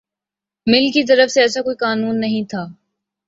مل کی طرف سے ایسا کوئی قانون نہیں تھا